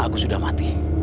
aku sudah mati